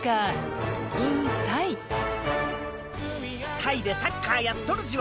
タイでサッカーやっとるじわ。